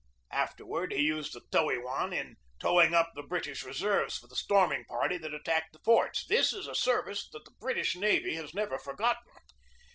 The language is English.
Afterward he used the Toey wan in towing up the British reserves for the storming party that at tacked the forts. This is a service that the British navy has never forgotten.